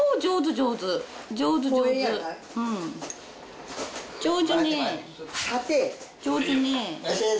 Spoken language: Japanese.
上手ねえ。